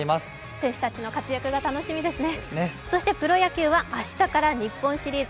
選手たちの活躍が楽しみですね。